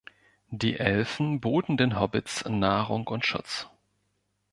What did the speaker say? Die Elfen boten den Hobbits Nahrung und Schutz.